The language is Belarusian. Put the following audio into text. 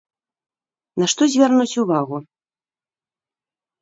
На што звярнуць увагу?